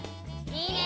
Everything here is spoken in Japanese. いいね！